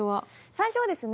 最初はですね